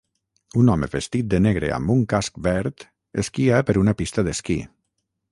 Un home vestit de negre amb un casc verd esquia per una pista d'esquí.